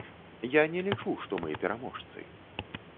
Я не лічу, што мы пераможцы.